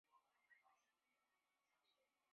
它们曾生活在留尼旺及毛里裘斯。